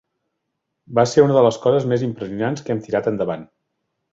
Va ser una de les coses més impressionants que hem tirat endavant.